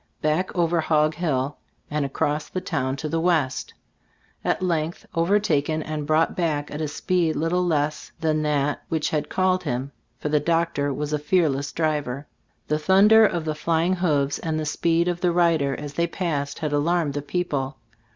Back over "Hog Hill" and across the town to the west. At length overtaken and brought back at a speed little less than that which had called him, for the doctor was a fearless driver. The thunder of the flying hoofs and the speed of the rid er as they passed had alarmed the peo ple.